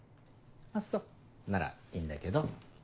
あっそならいいんだけど。